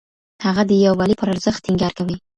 هغه د يووالي پر ارزښت ټينګار کوي.